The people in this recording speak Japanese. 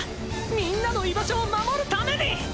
みんなの居場所を守るために！